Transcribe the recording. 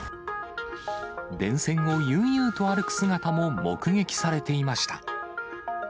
電線を悠々と歩く姿も目撃されていました。